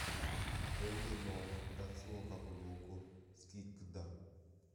Prende il nome dal suo capoluogo Skikda.